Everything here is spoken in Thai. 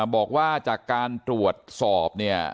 บอกว่าจากการตรวจสอบเนี่ย